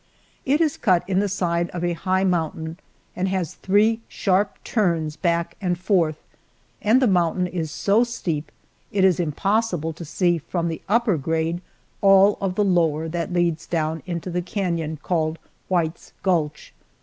It is cut in the side of a high mountain and has three sharp turns back and forth, and the mountain is so steep, it is impossible to see from the upper grade all of the lower that leads down into the canon called White's Gulch.